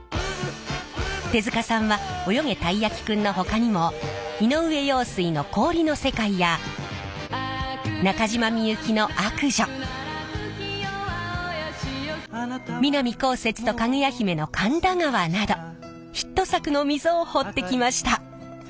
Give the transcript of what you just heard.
手塚さんは「およげ！たいやきくん」のほかにも井上陽水の「氷の世界」や中島みゆきの「悪女」南こうせつとかぐや姫の「神田川」などヒット作の溝を彫ってきました。